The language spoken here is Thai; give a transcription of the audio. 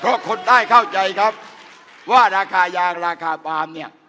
เพราะคนใต้เข้าใจครับว่าราคายางราคาปาล์มเนี่ย